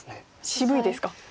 渋いですか。